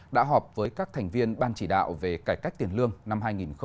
đã họp với các thành viên ban chỉ đạo về cải cách tiền lương năm hai nghìn hai mươi